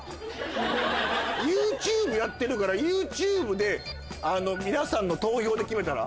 ＹｏｕＴｕｂｅやってるからＹｏｕＴｕｂｅで皆さんの投票で決めたら？